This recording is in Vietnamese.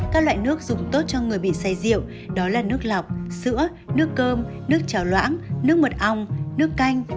các loại nước dùng tốt cho người bị say rượu đó là nước lọc sữa nước cơm nước trào loãng nước mật ong nước canh